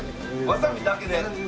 わさびだけで？